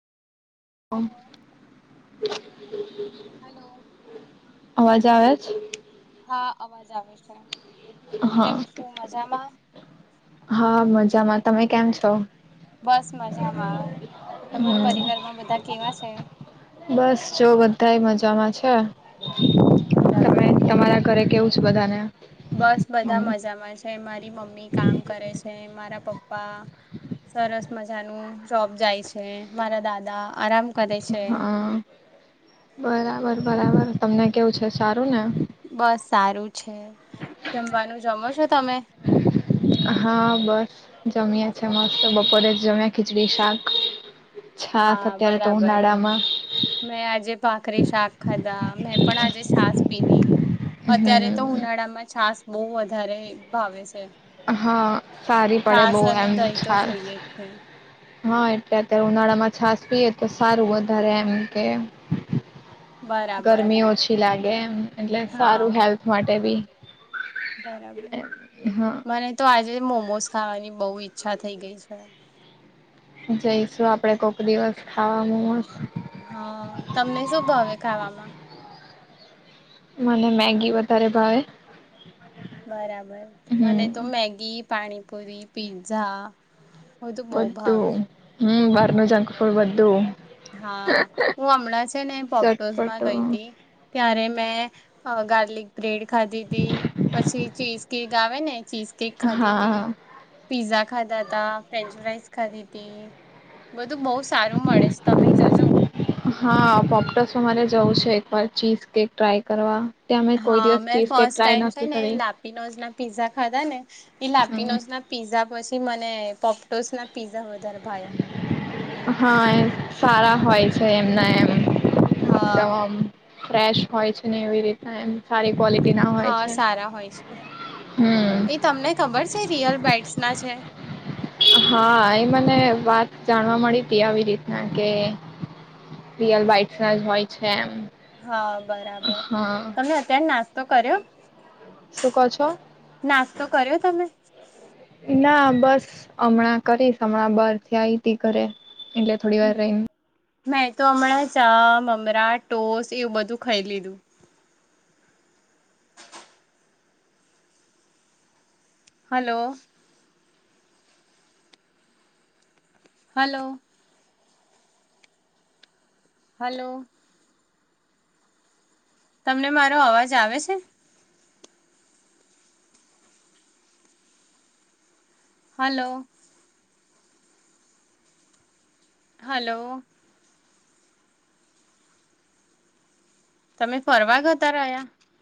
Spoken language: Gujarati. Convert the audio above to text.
ઓમ હલો હલો અવાજ આવે છે? હા. અવાજ આવે છે. હા કેમ છું મજામાં? હા મજામાં. તમે કેમ છો? બસ મજામાં. તમારા હમ પરિવારમાં બધા કેવા છે બસ જો બધા મજામાં છે તમે બરાબર? તમારા ઘરે કેવું છું બધાને? બસ બધા મજામાં છે. એમાં મમ્મી કામ કરે છે. મારા પપ્પા સરસ મજાનું જોબ જાય છે, મારા દાદા આરામ કરે છે. હા બરાબર. બરાબર. તમને કેવું છે સારું ને? બસ સારું છે. જમવાનું જમો છો તમે? હા. બસ જમ્યા છે. મસ્ત બપોરે જ જમ્યા ખીચડી શાક છાસ હા. અત્યારે તો બરાબર ઉનાળામાં મેં આજે ભખરી શાક ખાધા, મેં પણ આજે છાસ પીધી. અત્યારે તો હમ ઉનાળામાં છાસ બહુ વધારે ભાવે છે. હા. સારી પડે છાસ બહુ અને એમ દહીં તો ચાસ જોઈએ જ છે હા એટલે અત્યારે ઉનાળા માં છાસ પીએ તો સારું વધારે એમ કે બરાબર ગરમી ઓછી લાગે એમ એટલે સારું હા હેલ્થ માટે બી બરાબર હા મને તો આજે મોમોઝ ખાવાની બહુ ઈચ્છા થઈ ગઈ છે. જઈશું આપડે કોક દિવસ ખાવાનું હા. તમને શું ભાવે ખાવામાં? મને મેગી વધારે ભાવે. બરાબર. મને તો હમ મેગી પાણીપૂરી, પિઝા, હોય તો બવ ભાવે બધું હમ બર ન જંકફ બધું હા હું હમણાં છે ને પોપટોઝ માં ગઈ ચટપટું હતી ત્ય્યારે મેં ગાર્લિક બ્રેડ ખાધીધી પછી ચીઝ કેક ગાવે ને ચીઝ કેક ખાધી તથી હા પીઝા ખાધા ત ફ્રેન્ચ ફ્રઇઝ ખાદી તી બધું બહ સારું મળે છે તમે જજો હા પોોપટસ રે જવું છે એકવાર ચીઝ કેક ટ્રાય કરવા ત્યાં મેં કોઈ હા દિવસ મેં cheese cake first try time છે નથી ને કરી લાપીનોોઝ ના પીઝા ખાધા ને એ લાપી નોઝ ના પીઝા પછી થી મને પોપટોસ ના પીઝા વધારે ભાયા હા એ સારા હોય છે એમના એમ હા તમામ ફ્રેશ હોય છે ને એવી રીતના એમ સારી ક્વોલિટી ના હોય હા છે સારા હોય છે હમ એ તમને ખબર છે સિયલ બાઇટ્સ ના છે હા એ મને વાત જાણવા મળી હતી આવી રીતના કે રયલઇટ ના જ હોય છે એમ હા બરાબર હા તમને અત્યારે નાસ્ તો કર્યો શું ક છો નાસ્તો કર્યો તમે ના બસ હમણાં કરીશ હમણાં બહારથી આઈ ત ઘરે એટલે થોડી વાર ર મેં તો હમણાં ચા મમરા ઢોસ એવું બધું ખાઈ લીધું હલો હલો હલો તમને મારો અવાજ આવે છે હલો હલો તમે ફરવા ગતા રહ્યા